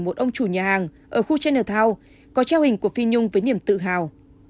một ông chủ nhà hàng ở khu chinatown có treo hình của phi nhung với niềm tự hào